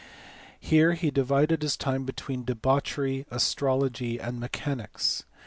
Here he divided his time between debauchery, astrology, and mechanics.